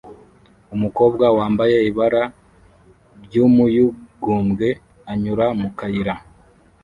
Umukobwa wambaye ibara ry'umuyugubwe anyura mu kayira